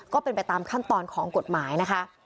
ก็เป็นไปตามขั้นตอนของกฎหมายนะคะ